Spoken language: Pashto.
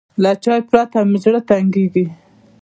له چای پرته مې زړه تنګېږي.